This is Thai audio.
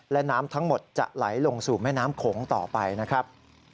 และน้ำทั้งหมดจะไหลลงสู่แม่น้ำโขงต่อไปนะครับ